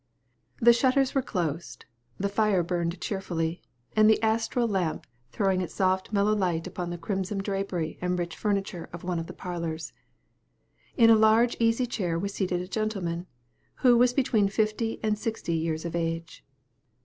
The shutters were closed, the fire burning cheerfully, and the astral lamp throwing its soft mellow light upon the crimson drapery and rich furniture of one of the parlors. In a large easy chair was seated a gentleman, who was between fifty and sixty years of age.